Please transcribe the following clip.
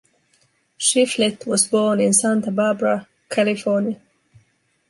Shiflett was born in Santa Barbara, California.